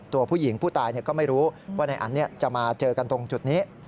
ตัวผู้หญิงผู้ตายก็ไม่รู้ว่านายอันจะมาเจอกันตรงจุดนี้